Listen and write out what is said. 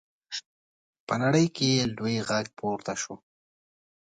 په نړۍ کې یې لوی غږ پورته شو.